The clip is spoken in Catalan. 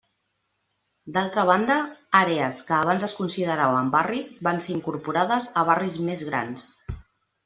D'altra banda, àrees que abans es consideraven barris van ser incorporades a barris més grans.